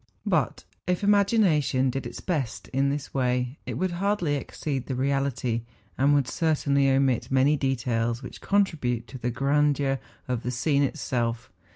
But if imagina¬ tion did its best in this way, it would hardly exceed the reality, and would certainly omit many details which contribute to the grandeur of the scene itself.